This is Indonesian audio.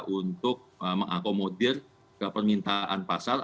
untuk mengakomodir ke permintaan pasar